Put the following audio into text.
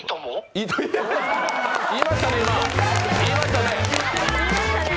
言いましたね。